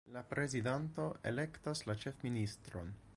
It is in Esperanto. La prezidanto elektas la ĉefministron.